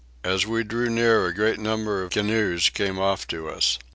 As we drew near a great number of canoes came off to us.